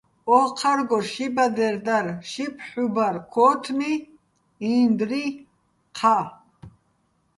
ო́ჴარგო ში ბადერ დარ, ში ფჰ̦უ ბარ, ქო́თმი, ინდრი, ჴა.